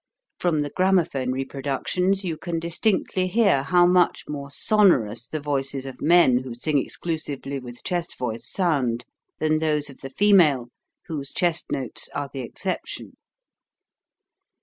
(From the gramophone reproductions, you can dis tinctly hear how much more sonorous the voices of men who sing exclusively with chest voice sound, than those of the female, whose chest notes are the exception.)